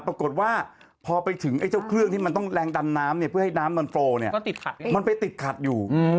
ปรากฏว่าพอไปถึงไอ้เจ้าเครื่องที่มันต้องแรงดันน้ำเนี่ยเพื่อให้น้ำมันโฟลมันไปติดขัดอยู่